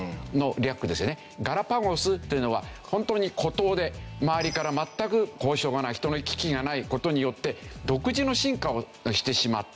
ガラパゴスというのは本当に孤島で周りから全く交渉がない人の行き来がない事によって独自の進化をしてしまった。